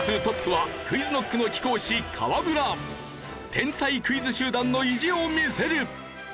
天才クイズ集団の意地を見せる。